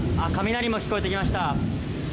雷も聞こえてきました。